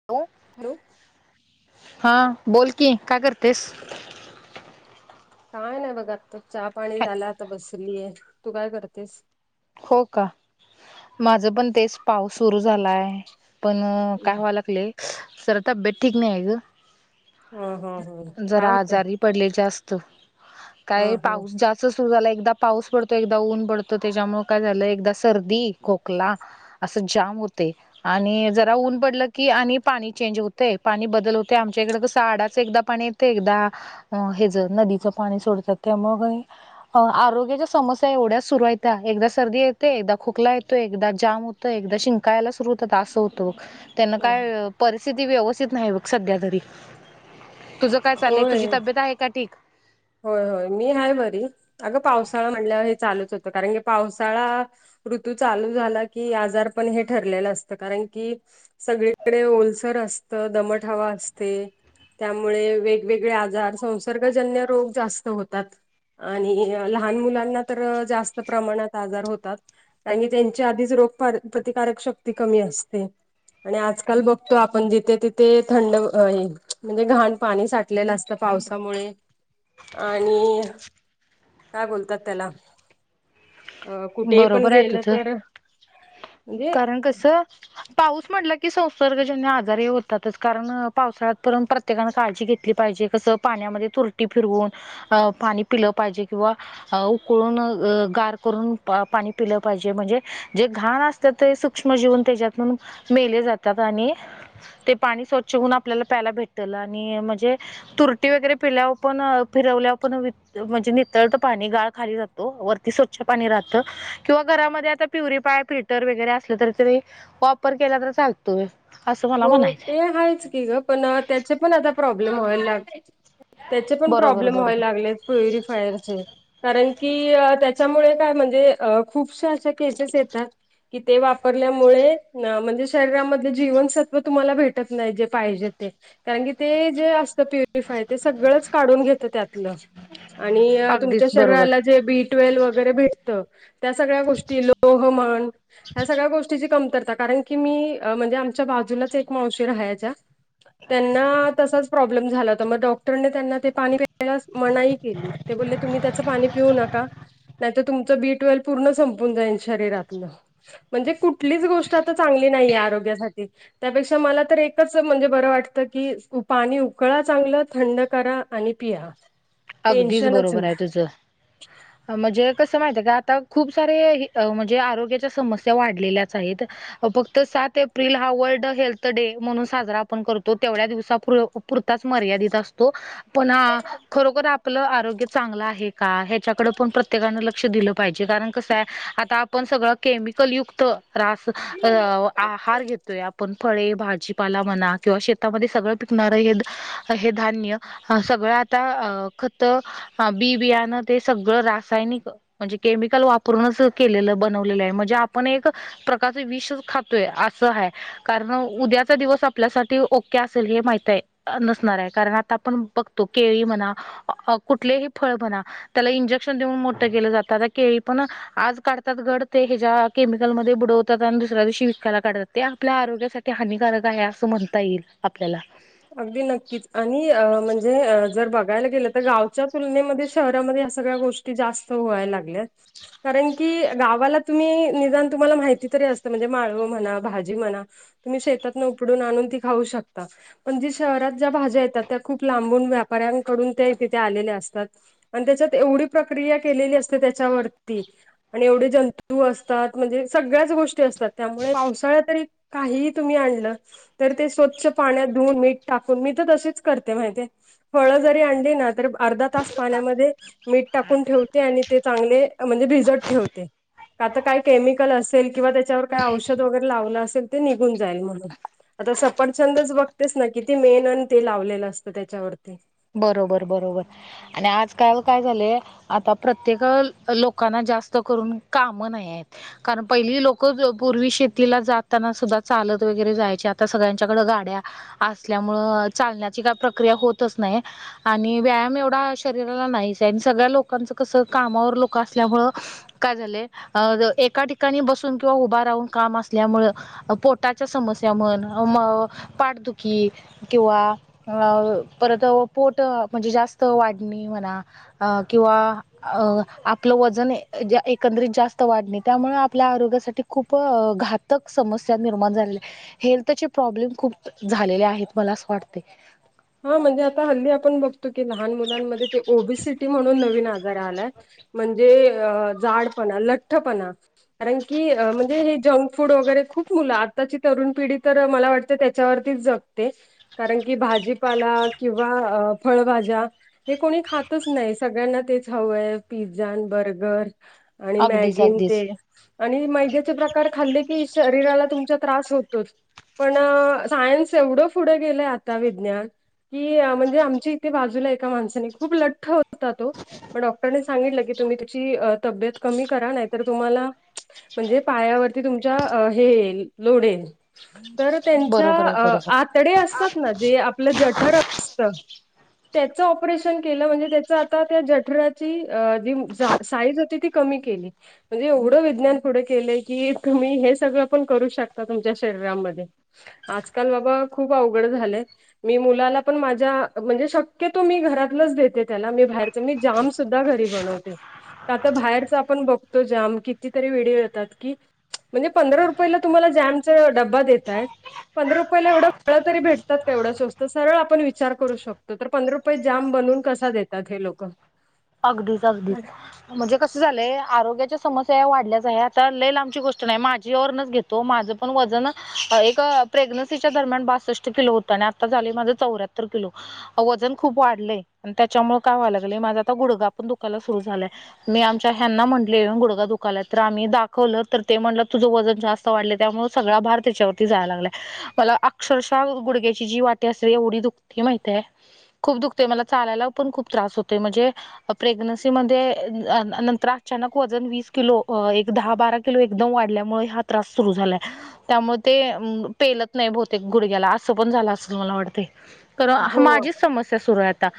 हो. हॅलो. हा. बोल की काय करतेस? काय नाही बघ. आताच चहा पाणी हॅ झाल आता बसलीय. तू काय करतेस? हो का. माझं पण - - तेच पाऊस सुरू झालाय. पण ह काय व्हा लागलयं. जरा तब्येत ठीक नाही हाय गं. ह ह जरा काय होतंय? आजारी पडले जास्त. ह काय ह पाऊस जास्त सुरू झालं. एकदा पाऊस पडतो. एकदा ऊन पडतं. त्याच्यामुळे काय झालं. एकदा सर्दी खोकला. असं जाम होतयं. आणि जरा ऊन पडलं की आणि पाणी चेंज होतय पाणी बदल होतेय आमच्या इकड कसं आडाच एकदा पाणी ते एकदा अ हेज नदीचं पाणी सोडतात त्यामुळ कणी आरोग्याच्या समस्या एवढ्या सुरू आहेत्या एकदा सर्दी येते एकदा खोकला येतोय एकदा जाम होतय एकदा शिं का यायला सुरू होतात असं होतं त्यांन काय परिस्थिती व्यवस्थित नाही बघ सध्या तरी तुझ काय चालेलय तुझी होय तब्येत आहे का ठीक. होय होय मी आहे बरी, अगं पावसाळा म्हटलं हे चालूच होत कारण की पावसाळा ऋतू चालू झाला की आजार पण हे ठरलेलं असतं कारण की सगळीकडे ओलसर असत दमट हवा असते. त्यामुळे वेगवेगळे आजार संसर्गजन्य रोग जास्त होतात. आणि लहान मुलांना तर जास्त प्रमाणात आजार होतात. आणि त्यांच्या आधीच रोग प्रतिकारक शक्ती कमी असते. आणि आजकाल बघतो आपण जिथे तिथे थंड म्हणजे घाण पाणी साठ लेल असत पावसामुळे. आणि काय बोलतात त्याला. अ कुठेही पण बरोबर आहे गेलं तर म्हणजे अंकस पाऊस म्हटला की संसर्गजन्य आजारी होतातच कारण पावसाळ्यात प्रत प्रत्येकनं काळजी घेतली पाहिजे कसं पाण्यामध्ये तुरटी फिरवून. अ पाणी पिलं पाहिजे किंवा उकळून गार करून पाणी पिलं पाहिजे म्हणजे जे घाण असतात ते सूक्ष्म जीवन त्याच्यातून मेले जातात आणि ते पाणी स्वच्छ होऊन आपल्याला प्यायला भेटल आणि म्हणजे तुरटी वगैरे पिल्यावर पण फिरवल्यावर पण म्हणजे नितळत पाणी गाळ खाली जात वरती स्वच्छ पाणी राहत. किंवा घरामध्ये आता प्युरिफाय फिल्टर वैगेरे असलं तर ते वापर केला तर चालत. हो ते हायच की ग. पण त्याचे पण आता प्रॉब्लेम व्हायला लाग त्याचे पण बरोबर प्रॉब्लेम बरोबर व्हायला लागलेत. प्युफायरचे कारण की त्याच्यामुळे काय म्हणजे खूपशा अशा पेजेस येतात कि ते वापरल्यामुळे म्हणजे शरीरामधले जीवन स त्व तुम्हाला भेटत नाही जे पाहिजे ते. कारण की ते जे असतं प्युरिफाय ते सगळंच काढून घेत त्यातलं. आणि तुमच्या अगदीच बरोबर शरीराला जे बी ट्वेल्व वगैरे भेटत. त्या सगळ्या गोष्टी लोह म्हन ह्या सगळ्या गोष्टीची कमतरता कारण की मी म्हणजे आमच्या बाजूलाच एक मावशी राहायच्या त्यांना तसाच प्रॉब्लेम झाला होता मग डॉक्टरना ते पाणी पियला मनाई केली ते बोलले तुम्ही त्याच पाणी पिऊ नका. नाहीत तुमचं बी ट्वेल् पूर्ण संपून जाईल शरीरातलं. म्हणजे कुठलीच गोष्ट आता चांगली नाहीये आरोग्यासाठी. त्यापेक्षा मला तर एकच म्हणजे बरं वाटतं की पाणी उकळा चांगलं थंड करा आणि पिहा. [inaudible] अगदीच बरोबर आहे तुझं. म्हणजे कसं माहिते का आता खूप सारे म्हणजे आरोग्याच्या समस्या वाढलेल्याच आहेत. फक्त सात एप्रिल हा वर्ल्ड हेल्थ डे म्हणून साजरा आपण करतो तेवढ्या दिवसा पूर ताच मर्यादित असतो पण हा खरोखर आपलं आरोग्य चांगलं आहे का हेच्याकडे पण प्रत्येकान लक्ष दिलं पाहिजे कारण कसं आहे आता आपण सगळं केमिकल युक्त रास आहार घेतोय आपण फळे भाजीपाला म्हणा किंवा शेतामध्ये सगळं पिकणारं हे हे धान्य अ सगळं आता अ खक्त बी बियाणं ते सगळं रासायनिक म्हणजे केमिकल वापरूनच केलेलं बनवलेलं आहे. म्हणजे आपण एक प्रकारचे विषच खातोय असं हाय. कारण, उद्याचा दिवस आपल्यासाठी ओके असेल हे माहित ए... नसणार ए, कारण आता आपण बघतो केळी म्हणा... कुठलेही फळ म्हणा त्याला इंजेक्शन देऊन मोठं केलं जातं... आता केळी पण आज काढतात घड ते, हेच्या केमिकलमध्ये बुडवतात आणि दुसऱ्या दिवशी विकायला काढतात. ते आपल्या आरोग्यासाठी ते हानिकारक आहे असं म्हणता येईल आपल्याला अगदी नक्कीच. आणि म्हणजे जर बघायला गेलं तर गावच्या तुलनेमध्ये, शहरामध्ये या सगळ्या गोष्टी ती जास्त व्हायला लागल्यात कारण की, गावाला तुम्ही... निदान तुम्हाला माहिती तरी असतं, म्हणजे माळव म्हणा, भाजी म्हणा तुम्ही शेतातूनं उपडून आणून ती खाऊ शकता पण जे शहरात ज्या भाज्या येतात, त्या खूप लांबून, व्यापाऱ्यांकडून, त्या तिथे आलेल्या असतात आणि त्याच्यात, एवढी प्रक्रिया केलेली असते त्याच्यावरती आणि एवढे जंतू असतात, म्हणजे सगळ्याच गोष्टी असतात त्यामुळे पावसाळ्यात तरी काहीही तुम्ही आणलं, तर ते स्वच्छ पाण्यात धुवून, मीठ टाकून. मी तर तशीच करते माहितीये, फळं जरी आणली ना, तरी अर्धा तास पाण्यामध्ये मीठ टाकून ठेवते आणि ते चांगले... म्हणजे भिजत ठेवते का... तर काय केमिकल असेल किंवा त्याच्यावर काय औषध वगैरे लावलं असेल, ते निघून जाईल म्हणून आता सपरछंदच बघतेस ना, किती मेण अन ते लावलेलं असतं त्याच्यावरती बरोबर बरोबर... आणि आजकाल काय झाले आता प्रत्येक... लोकांना जास्त करून कामं नाई हायेत कारण पहिली लोकं, पूर्वी शेतीला जाताना सुद्धा, चालत वगैरे जायची, आता सगळ्यांच्याकडं गाड्या असल्यामुळं... अ... चालण्याची काय प्रक्रिया होतच नाई ए आणि व्यायाम एवढा शरीराला नाहीच ए. आणि सगळ्या लोकांचं कसं, कामावर लोकं असल्यामुळं काय झालंय... अ... एका ठिकाणी बसून किंवा उभा राहून काम असल्यामुळं पोटाच्या समस्या म्हण... म... पाठदुखी किंवा... अ... परत पोट, म्हणजे जास्त वाढणी म्हणा अ... किंवा अ... आपलं वजन, एकंदरीत जास्त वाढणे, त्यामुळे आपल्या आरोग्यासाठी खूप... घातक समस्या निर्माण झाल्या हेल्थचे प्रॉब्लेम खूप झालेले आहेत, मला असं वाटतंय हा, म्हणजे आता हल्ली आपण बघतो की, लहान मुलांमध्ये ते ओबीसीटी म्हणून नवीन आल आलाय, म्हणजे जाडपणा, लठ्ठपणा कारण की, म्हणजे... हे जंक फूड वगैरे... खूप मुलं, आताची तरुण पिढी... तर मला वाटते, त्याच्यावरतीच जग कारण की, भाजीपाला किंवा फळभाज्या हे कोणी खातच नाई, सगळ्यांना तेच हवं ए... पिझ्झा अन बर्गर आणि अगदीच मॅगी अन अगदीच ते आणि मैद्याचे प्रकार खाल्ले की, शरीराला तुमच्या त्रास होतोच पण... सायन्स एवढं पुढं गेलंय, आता विज्ञान की म्हणजे, आमच्या इथे बाजूला... एका माणसाने, खूप लठ्ठ होता तो... मग डॉक्टरने सांगितलं की, तुम्ही तुमची तब्येत कमी करा... नाही तर तुम्हाला म्हणजे पायावरती तुमच्या... हे येईल.... लोड येईल तर त्यांच्या बरोबर आहे बरोबर आतडे असतात ना... जे आपलं जठर असतं त्याचं ऑपरेशन केलं... म्हणजे त्याचं आता.... त्या जठराची, जी... अ... साईज होती ती कमी केली म्हणजे, एवढं विज्ञान पुढं गेलंय की, तुम्ही हे सगळं पण करू शकता तुमच्या शरीरामध्ये. आजकाल बाबा... खूप अवघड झालेय मी मुलाला पण माझ्या... म्हणजे शक्यतो मी घरातलंच देते त्याला... मी बाहेरच... मी जाम सुद्धा घरी बनवते. का... तर... बाहेरचं आपण बघतो जाम.... कितीतरी व्हडिओ येतात कि म्हणजे पंधरा रुपयाला तुम्हाला जॅमचा डबा देतायत पंधरा रुपयाला, एवढे फळं भेटतात का, एवढं स्वस्त तर सरळ आपण विचार करू शकतो, तर पंधरा रुपयात जाम बनवून कसा देतात हे लोकं अगदीच अगदीच म्हणजे कसं झालंय आरोग्याच्या समस्या वाढल्याच आहे आता लय लांबची गोष्ट नाही माझी र्नच घेत तो माझं पण वजन एक प्रेग्न्सीच्या दरम्यान बासष्ट किलो होतं आणि आता झाले माझं चौऱ्या किलो वजन खूप वाढलेय त्याच्यामुळे काय्हाय लागलं माझ गुडाण दुकायला सुरु झालाय मी आमच्या ह्यांना म्हटले गुडगा दुकालात तर आम्ही दाखवलं तर ते म्हटलं तुझं वजन जास्त वाढले त्यामुळे सगळा भार त्याच्यावरती जायला लागला मला अक्षरशः गुडघ्याची जी वाटी असते एवढी दुखती माहतीय खूप दुखते मला चालायला पण खूप त्रास होते म्हणजे प्रेग्नन्सी मध्ये नंतर अचानक वजन वीस किलो एक दहा बारा लो एकदम वाढल्यामुळे हा त्रास सुरु झालाय त्यामुळे ते पेलत नाही बहुतेक गुडघ्याला असं पण झालं अस मला वाटत कर हो माझीच समस्या सुरू आहेता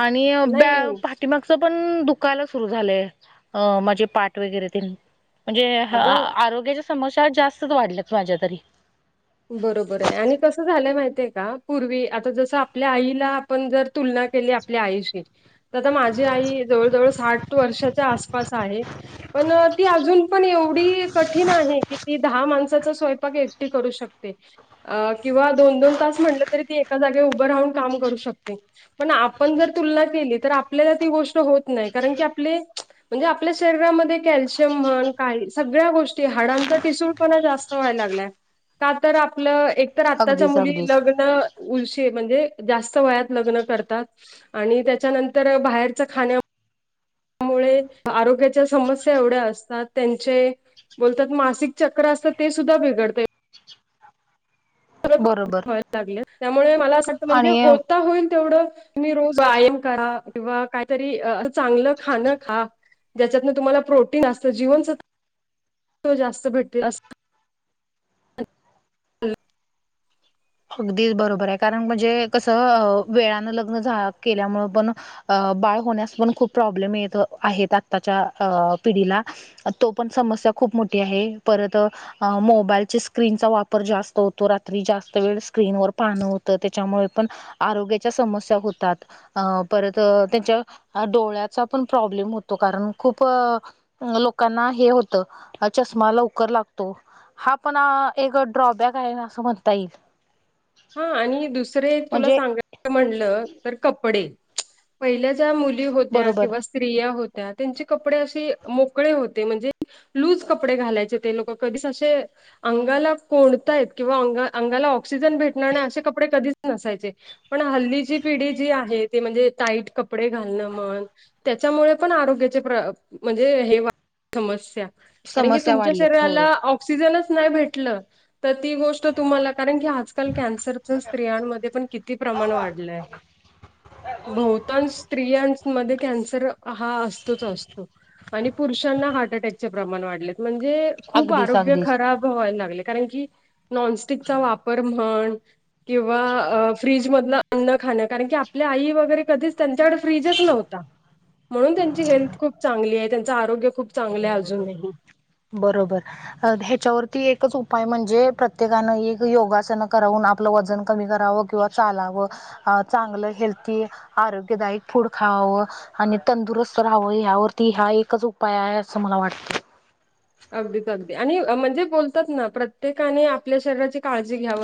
आणि ब नाही पामागच पण दुखाला सुरु झालंय अ माझे पाठ वगैरे ते म्हणजे अगं आरोग्याच्या समस्या जास्तच वाढल्यात माझ्या तरी बरोबर आहे आणि कसं झालंय माहितीय का पूर्वी आता जस आपल्या आईला आपण जर तुलना केली आपल्या आयुष आता माझी आई जवळ जवळ साठ वर्षाच्या आसपास आहे पण ती अजून पण एवढी कठीण आहे की ती दहा माणसाचा स्वयंपाक एकटी करू शकते अ किंवा दोन दोन तास म्हटलं तरी ती एका जागे उभं राहून काम करू शकते पण आपण जर तुलना केली तर आपल्याला ती गोष्ट होत नाही कारण की आपले म्हणजे आपल्या शरीरामध्ये कॅल्शियम म्हण का सगळ्या गोष्टी हाडांचा टिसूळपणा जास्त व्हायला लागलाय का तर आपलं एकत आत्ताच्या अगदीच मुली अगदीच लग्न उ म्हणजे जास्त वया लग् करतात आणि त्याच्यानंतर बाहेरच खा आरोग्याच्या समस्या एवढ्या असतात त्यांचे बोलतात मासिक चक्र असतं ते सुद्धा बिघडत ्ले बरोबर व्हायला लागले त्यामुळे मला असं वाटतं म्हणजे आणि होता होईल तेवढं तुम्ही रोज कायाम करा किंवा काहीतरी चांगलं खाणं खा ज्याच्यातून तुम्हाला प्रोटीन असत जीवनच जास्त भेटतील अस हम अगदी बरोबर आहे कारण म्हणजे कसं वेळानं लग्न झा केल्यामुळं पण अ बाळ होण्यास पण खूप प्रॉब्लेम येत आहेत आत्ताच्या अ पिढीला तो पण समस्या खूप मोठी आहे परत अ मोबाईलच्या स्क्रीनचा वापर जास्त होतो रात्री जास्त वेळ स्क्रीनवरर पानं होतं त्याच्यामुळे पण आरोग्याच्या समस्या होतात अ परत त्याच्या डोळ्याचा पण प्रॉब्लेम होतो कारण खूप अ लोकांना हे होत चष्मा लवकर लागतो हा पण एक ड्रॉबॅक आहे असं म्हणता येईल हा आणि दुसरे तुला म्हणजे सांगाय म्हणलं तर कपडे पहिल्या ज्या मुली होत्या बरोबर किंवा स्त्रिया होत्या त्यांचे कपडे असे मोकळे होते म्हणजे लूज कपडे घालायचे ते लोक कधीच असे अंगाला कोणता आहेत किंवा अंगाला ऑक्सिजन भेट असे कपडे कधीच नसायचे पण हल्लीची पिढी जी आहे ती म्हणजे टाईट क कपडे घालणं मन त्याच्यामुळे पण आरोग्याचे प्र म्हणजे हे समस्या कारण की समस्या तुमच्या वाढल्यात शरीराला होय. ऑक्सिजनच नाही भेटलं तर ती गोष्ट तुम्हाला कारण की आजल आजकाल कॅन्सरच्या स्त्रियांमध्ये पण किती प्रमाण वाढलं आहे बहताांन स्त्रियां मध्ये ‌कॅन्सर हा असतोच असतो आणि पुरुषांना हार्ट अटॅक प्रण वाढ म्हणजे खूप अगदीच आरोग्य अगदीच. खराब व लाग कारण की. नॉनस्टिकचा वापर म्हण. किंवा फ्रीजमधलं अन्न खाणं कारण की आपल्या आई वगैरे कधीच त्यांच्याकडे फ्रीजच नव्हता. [inaudible] म्हणून त्यांची हेल्थ खूप चांगली आहे त्यांच आरोग्य खूप चांगलं आहे अजूनही. बरोबर. ह्याच्यावरती एकच उपाय म्हणजे प्रत्येकानं एक योगासन करावून आपलं वजन कमी करावं किंवा चालावं चांगलं हेल्थी आरोग्यदायक फूड खावावं. आणि तंदुरस्त राहावं या्यावरती हा एकच उपाय आहे असं मला वाटतं. अगदीच अगदी आणि म्हणजे बोलतात ना प्रत्येकाने आपल्या शरीराची. का घ्या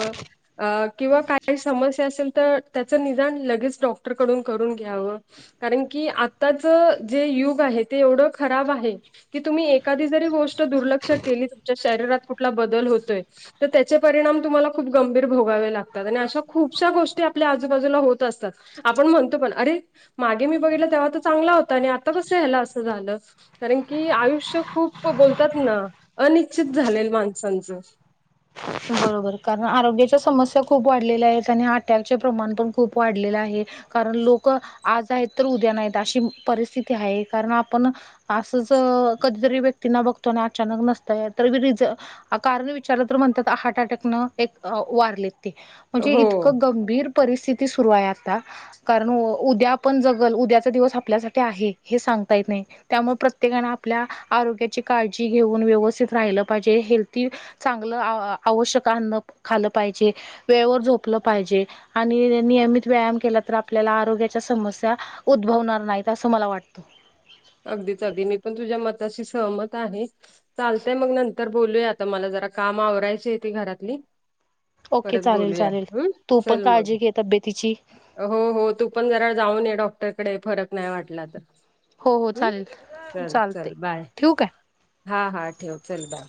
का. काही समस्या असेल तर त्याचं निदान लगेच डॉक्टरकडून करून घ्यावं. कारण की आत्ताच जे युग आहे ते एवढं खराब आहे. की तुम्ही एखादी जरी गोष्ट दुर्लक्ष केली तुमच्या शरीरात कुठला बदल होतोय. तर त्याचे परिणाम तुम्हाला खूप गंभीर भोगावे लागतात आणि अशा खूपश्या गोष्टी आपल्या आजूबाजूला होत असतात. आपण म्हणतो पण अरे मागे मी बघितलं तेव्हा तर चांगला होता आणि आता कसं याला असं झालं. कारण की आयुष्य खूप बोलतात ना अनिश्चित झालेल माणसांचं. बरोबर कारण आरोग्याच्या समस्या खूप वाढलेल्या आहेत आणि अटॅकचे प्रमाण पण खूप वाढलेलं आहे. कारण लोक आज आहेत तर उद्या नाहीत अशी परिस्थिती आहे कारण आपण. असंच कधीतरी व्यक्तींना बघतो अचानक नसतंय तर. कारण विचारलं तर म्हणतात ह टकन एक वारली ती म्हणजे हो इतकं गंभीर परिस्थिती सुरु आहे आता. कारण उद्या आपण जगल उद्याचा दिवस आपल्यासाठी आहे हे सांगता येत नाही. त्यामुळे प्रत्येकाने आपल्या आरोग्याची काळजी घेऊन व्यवस्थित राहिलं पाहिजे हेल्थी. चांगलं आवश्यक आण खालं पाहिजे वेळेवर झोपलं पाहिजे. आणि नियमित व्यायाम केला तर आपल्याला आरोग्याच्या समस्या उद्भवणार नाहीत असं मला वाटतं. अगदीच अगदी मी पण तुझ्या मताशी सहमत आहे चालतय मग नंतर बोलूया. तर मला जरा काम आवरायची येते घरातली. ओके परत चालेल बोलूया चालेल हम् तू पण चल काळजी मग. घे तब्येतीची हो हो तू पण जरा जाऊन ये डॉक्टरकडे फरक नाही वाटला तर. हो हो हम्म चालेल चल चालते चल बाय ठीक आहे. हा हा ठेव चल बा